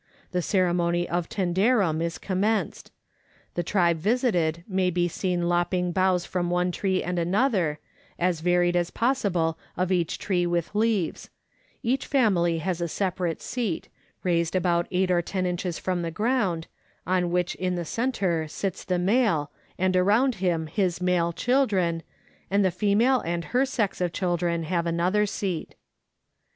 The ceremony of Tanderrum is commenced ; the tribe visited may be seen lopping boughs from one tree and another, as varied as possible of each tree with leaves ; each family has a separate seat, raised about 8 or 10 inches from the ground, on which in the centre sits the male and around him his male children, and the female and her sex of children have another seat.